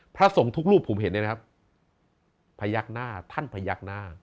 พระทรงทุกรูปผมเห็นได้นะครับพยักษณะท่านพยักษณะ